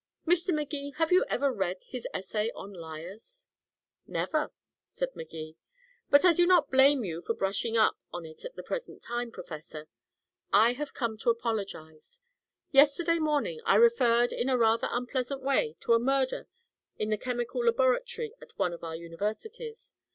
Mr. Magee, have you ever read his essay on liars?" "Never," said Magee. "But I do not blame you for brushing up on it at the present time, Professor. I have come to apologize. Yesterday morning I referred in a rather unpleasant way to a murder in the chemical laboratory at one of our universities.